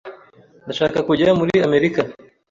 Ndashaka kujya muri Amerika.